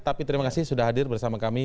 tapi terima kasih sudah hadir bersama kami